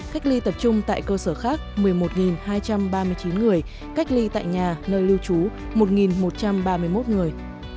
cách ly tập trung tại cơ sở khác một mươi một hai trăm ba mươi chín người cách ly tại nhà nơi lưu trú một một trăm ba mươi một người